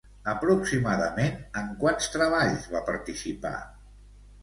Aproximadament, en quants treballs va participar?